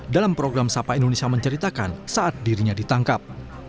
dalam program sapa indonesia menceritakan saat dirinya ditangkap